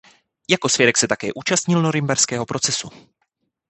Jako svědek se také účastnil norimberského procesu.